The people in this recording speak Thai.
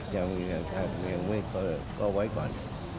ยังไม่เปิดก็ไว้ก่อน